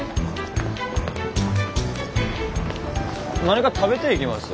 何か食べていきます？